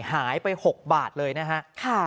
หายไป๖บาทเลยนะฮะ